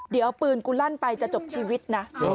เดี๋ยวปืนกูลั่นไปจะจบชีวิตนะ